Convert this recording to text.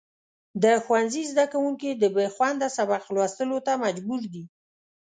د ښوونځي زدهکوونکي د بېخونده سبق لوستلو ته مجبور دي.